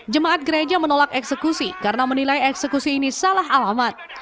jemaat gereja menolak eksekusi karena menilai eksekusi ini salah alamat